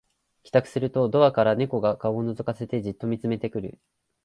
帰宅するとドアから猫が顔をのぞかせてじっと見つめてくる